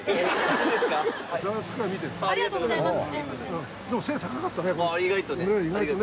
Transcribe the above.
意外とねありがとうございます。